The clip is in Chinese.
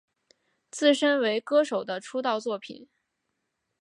自身为歌手的出道作品。